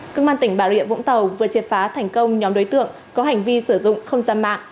cơ quan tỉnh bà rịa vũng tàu vừa triệt phá thành công nhóm đối tượng có hành vi sử dụng không giam mạng